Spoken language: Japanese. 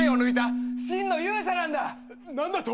何だと！？